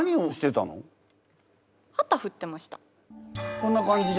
こんな感じで？